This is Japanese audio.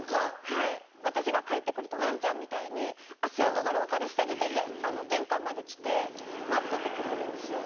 はい私が帰って来るとワンちゃんみたいに足音が廊下でした時点で玄関まで来て待っててくれるんですよ。